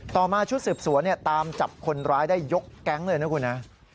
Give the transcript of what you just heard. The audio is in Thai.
มาชุดสืบสวนตามจับคนร้ายได้ยกแก๊งเลยนะคุณฮะ